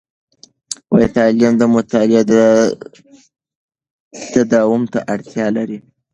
تعلیم د مطالعې تداوم ته اړتیا لري.